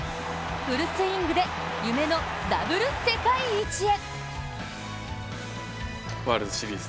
フルスイングで夢のダブル世界一へ。